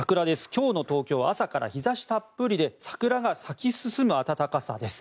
今日の東京朝から日差したっぷりで桜が咲き進む暖かさです。